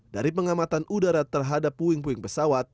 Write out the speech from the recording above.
dari pengamatan udara terhadap puing puing pesawat